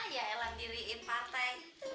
ya elan diriin partai